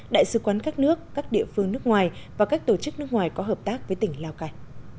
đại sứ quán các nước các địa phương nước ngoài và các tổ chức nước ngoài có hợp tác với tỉnh lào cai